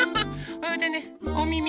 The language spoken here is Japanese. それでねおみみ。